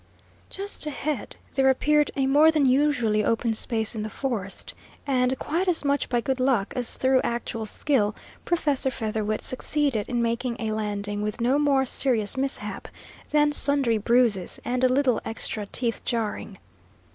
Just ahead there appeared a more than usually open space in the forest, and, quite as much by good luck as through actual skill, Professor Featherwit succeeded in making a landing with no more serious mishap than sundry bruises and a little extra teeth jarring.